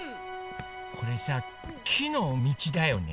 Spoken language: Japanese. これさきのみちだよね。